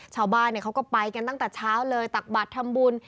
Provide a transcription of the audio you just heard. ชาวบ้านเขาก็ไปกันตั้งแต่เช้าเลยตักบัตรทำบุญ